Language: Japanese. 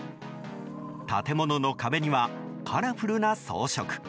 建物の壁にはカラフルな装飾。